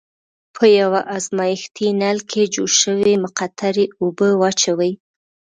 په یوه ازمیښتي نل کې جوش شوې مقطرې اوبه واچوئ.